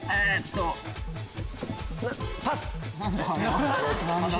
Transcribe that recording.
パス！